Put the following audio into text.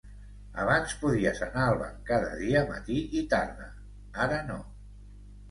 Abans podies anar al banc cada dia matí i tarda; ara no.